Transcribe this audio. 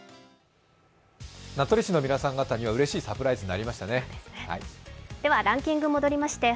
名取市の皆さん方にはうれしいサプライズになりましたね。